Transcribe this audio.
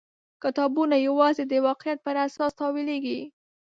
کتابونه یوازې د واقعیت پر اساس تاویلېږي.